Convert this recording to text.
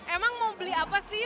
emang mau beli apa sih